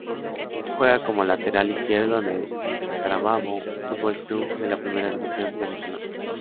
Juega como Lateral izquierdo en el Carabobo Futbol Club, de la Primera División Venezolana.